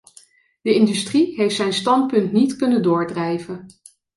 De industrie heeft zijn standpunt niet kunnen doordrijven.